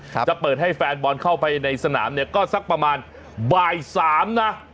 จะเปิดให้แฟนบอลเข้าไปในสนามเนี่ยก็สักประมาณบ่ายสามนะ